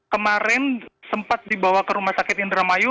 kemarin sempat dibawa ke rumah sakit indramayu